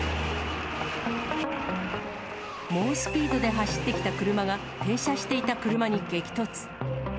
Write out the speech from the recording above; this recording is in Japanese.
猛スピードで走ってきた車が停車していた車に激突。